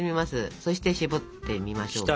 そして絞ってみましょうか？